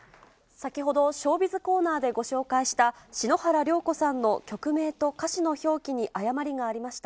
先ほどショービズコーナーでご紹介した、篠原涼子さんの曲名と歌詞の表記に誤りがありました。